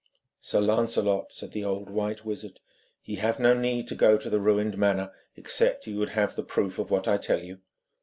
'Sir Lancelot,' said the old white wizard, 'ye have no need to go to the ruined manor, except ye would have the proof of what I tell you.'